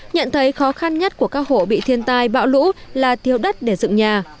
nhận thấy khó khăn nhất của các hộ bị thiên tài bạo lũ là tiêu đất để dựng nhà